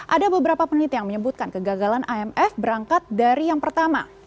ada beberapa peneliti yang menyebutkan kegagalan imf berangkat dari yang pertama